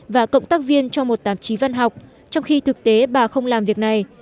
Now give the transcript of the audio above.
và cộng tác viên cho một tạp chí văn học trong khi thực tế bà không làm việc này